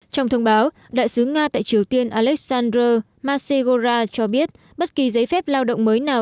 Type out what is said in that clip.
trong thông báo đại sứ nga tại triều tiên alexander masegora cho biết bất kỳ giấy phép lao động mới nào